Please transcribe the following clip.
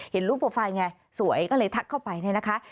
เห็นรูปโปรไฟล์ไงสวยก็เลยทักเข้าไปเนี่ยนะคะ